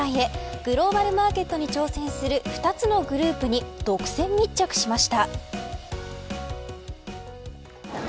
グローバルマーケットに挑戦する２つのグループに独占密着しました。